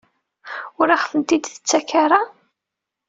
Ur aɣ-ten-id-tettak ara?